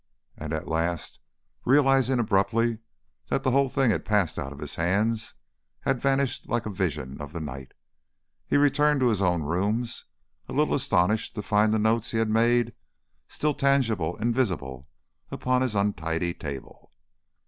And at last, realising abruptly that the whole thing had passed out of his hands, had vanished like a vision of the night, he returned to his own rooms, a little astonished to find the notes he had made still tangible and visible upon his untidy table.